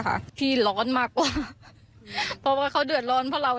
ค่ะที่ร้อนมากกว่าเพราะว่าเขาเดือดร้อนเพราะเรา